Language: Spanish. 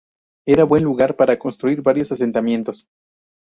Era buen lugar para construir varios asentamientos.